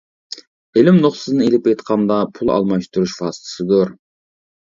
ئىلىم نۇقتىسىدىن ئىلىپ ئېيتقاندا، پۇل-ئالماشتۇرۇش ۋاسىتىسىدۇر.